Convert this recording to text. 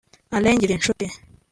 Alain Ngirinshuti